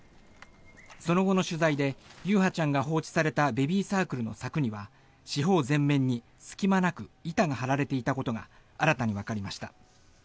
その後の取材で優陽ちゃんが放置されたベビーサークルの柵には四方全面に隙間なく板が張られていたことが新たにわかりました。